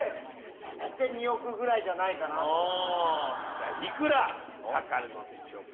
実際幾らかかるのでしょうか？